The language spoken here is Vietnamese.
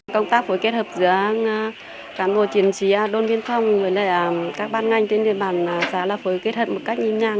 công tác phối kết hợp giữa cán bộ chiến trí đồn biên phòng với các ban ngành trên địa bàn xã là phối kết hợp một cách nhìn nhàng